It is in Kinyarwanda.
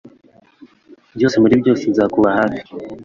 Byose muri byose nzakuba hafi